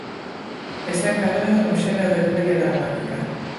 Está encadrado no xénero de comedia dramática.